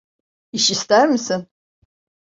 İş ister misin?